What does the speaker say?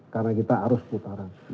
karena kita arus putaran